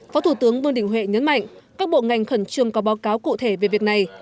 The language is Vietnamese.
phó thủ tướng vương đình huệ nhấn mạnh các bộ ngành khẩn trương có báo cáo cụ thể về việc này